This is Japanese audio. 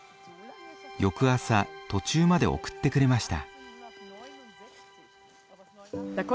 翌朝途中まで送ってくれました。